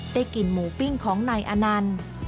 กินหมูปิ้งของนายอนันต์